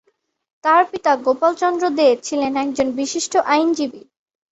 তার পিতা গোপাল চন্দ্র দে ছিলেন একজন বিশিষ্ট আইনজীবী।